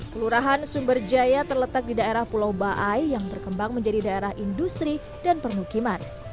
kelurahan sumberjaya terletak di daerah pulau baai yang berkembang menjadi daerah industri dan permukiman